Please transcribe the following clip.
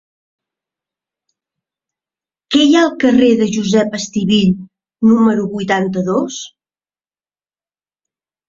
Què hi ha al carrer de Josep Estivill número vuitanta-dos?